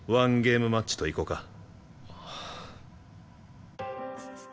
ゲームマッチといこか。